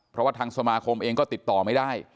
เพราะว่าทางสมาคมเองก็ติดต่อไม่ได้